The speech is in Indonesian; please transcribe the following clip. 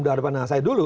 dari pendengar saya dulu